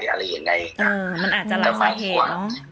แต่บางที่ส่วน